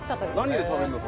何で食べるの？